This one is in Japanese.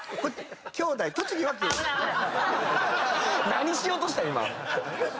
何しようとした⁉今。